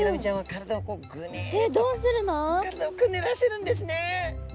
体をくねらせるんですね！